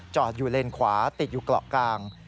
อยู่เลนขวาติดอยู่เกาะกลาง